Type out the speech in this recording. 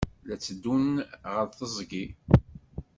La tteddun ɣer teẓgi.